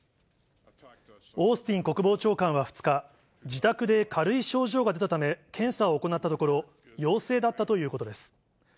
オースティン国防長官は２日、自宅で軽い症状が出たため検査を行ったところ、陽性だったということです。